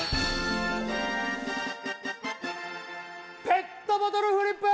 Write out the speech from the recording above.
ペットボトルフリップ！